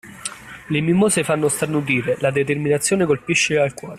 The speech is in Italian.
Le mimose fanno starnutire, la determinazione colpisce al cuore.